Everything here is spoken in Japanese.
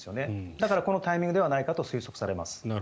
だからこのタイミングではないかと推測されます。